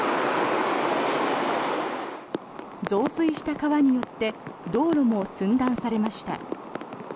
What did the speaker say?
増水した川によって道路も寸断されました。